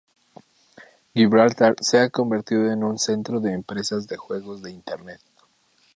Gibraltar se ha convertido en un centro de empresas de juegos de Internet.